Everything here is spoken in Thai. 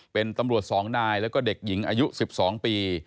เป็นตำรวจ๒นายแล้วก็เด็กหญิงอายุ๑๒ปี